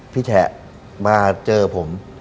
พี่แฉะมาเจอผม